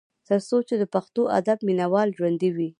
تر څو چې د پښتو ادب مينه وال ژوندي وي ۔